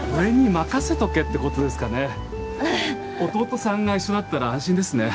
弟さんが一緒だったら安心ですね。